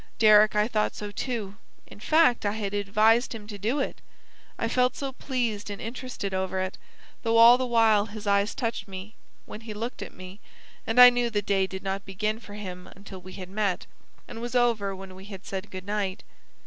Deryck, I thought so, too; in fact I had advised him to do it. I felt so pleased and interested over it, though all the while his eyes touched me when he looked at me, and I knew the day did not begin for him until we had met, and was over when we had said good night.